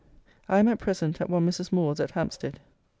I am at present at one Mrs. Moore's at Hampstead.